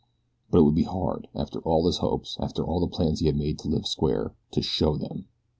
But it would be hard, after all his hopes, after all the plans he had made to live square, to SHOW THEM.